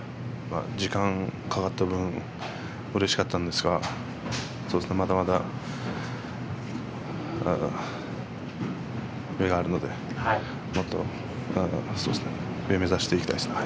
時間がかかった分うれしかったんですがまだまだ上があるので上を目指していきたいです。